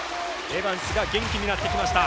エバンスが元気になってきました。